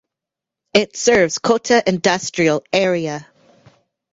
It serves Kota Industrial Area.